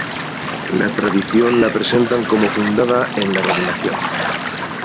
La tradición la presentan como fundada en la revelación.